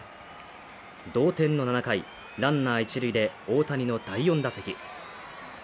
同点の７回、ランナー一塁で大谷の第４打席。